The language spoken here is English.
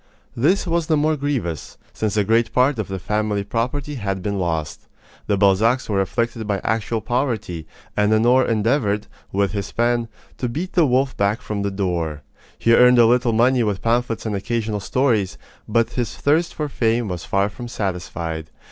This was the more grievous, since a great part of the family property had been lost. The Balzacs were afflicted by actual poverty, and Honore endeavored, with his pen, to beat the wolf back from the door. He earned a little money with pamphlets and occasional stories, but his thirst for fame was far from satisfied.